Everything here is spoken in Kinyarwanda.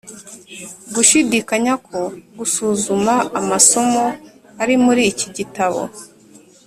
Gushidikanya ko gusuzuma amasomo ari muri iki gitabo